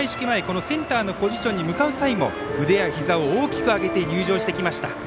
前このセンターのポジションに向かう際も腕やひざを大きく上げて入場してきました。